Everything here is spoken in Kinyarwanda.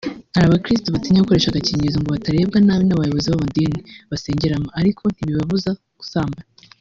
Hari abakirisitu batinya gukoresha agakingirizo ngo batarebwa nabi n’abayobozi b’amadini basengeramo ariko ntibibabuze gusambana